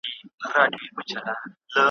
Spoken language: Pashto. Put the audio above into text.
مګر پام کوه چي خوله دي نه کړې خلاصه `